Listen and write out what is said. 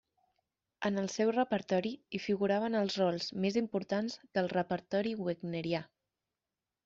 En el seu repertori hi figuraven els rols més importants del repertori wagnerià.